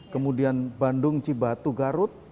kemudian bandung cibatu garut